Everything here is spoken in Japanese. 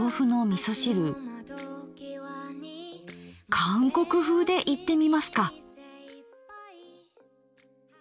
韓国風でいってみますか。